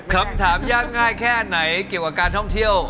คำถามยากง่ายแค่ไหนเกี่ยวกับการท่องเที่ยว